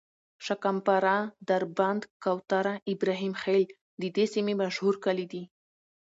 شکم پاره، دربند، کوتره، ابراهیم خیل د دې سیمې مشهور کلي دي.